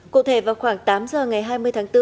cụ thể vào khoảng tám giờ ngày hai mươi tháng bốn